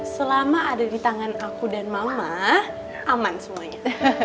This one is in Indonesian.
selama ada di tangan aku dan mama aman semuanya